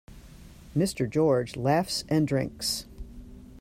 Mr. George laughs and drinks.